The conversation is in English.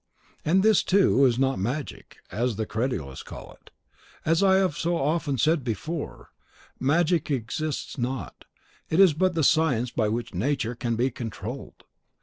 And this, too, is not magic, as the credulous call it; as I have so often said before, magic (or science that violates Nature) exists not: it is but the science by which Nature can be controlled.